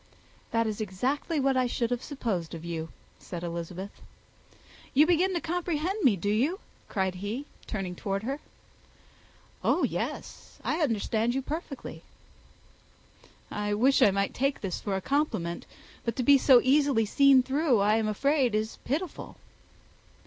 "That is exactly what I should have supposed of you," said Elizabeth. "You begin to comprehend me, do you?" cried he, turning towards her. "Oh yes I understand you perfectly." "I wish I might take this for a compliment; but to be so easily seen through, I am afraid, is pitiful."